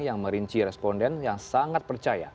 yang merinci responden yang sangat percaya